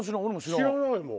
知らないもん。